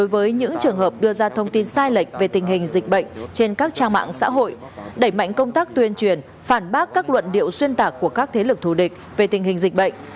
với những trường hợp đưa ra thông tin sai lệch về tình hình dịch bệnh trên các trang mạng xã hội đẩy mạnh công tác tuyên truyền phản bác các luận điệu xuyên tạc của các thế lực thù địch về tình hình dịch bệnh